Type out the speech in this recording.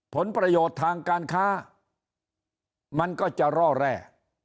ผลประโยชน์ทางการค้ามันก็จะร่อแร่